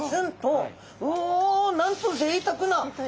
おなんとぜいたくな。